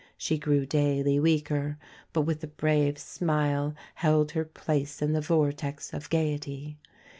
She grew daily weaker; but, with a brave smile, held her place in the vortex of gaiety.